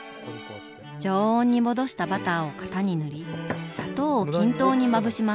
常温に戻したバターを型に塗り砂糖を均等にまぶします。